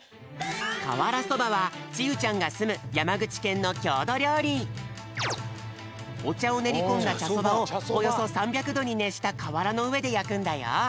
かわらそばはちゆちゃんがすむおちゃをねりこんだちゃそばをおよそ３００どにねっしたかわらのうえでやくんだよ！